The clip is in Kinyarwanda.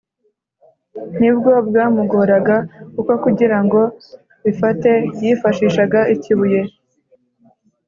ni bwo bwamugoraga kuko kugira ngo bifate yifashishaga ikibuye